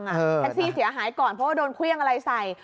แท็กซี่เสียหายก่อนเพราะว่าโดนเครื่องอะไรใส่